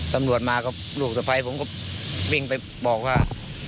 ตำรวจมากับลูกสะพ้ายผมก็วิ่งไปบอกว่า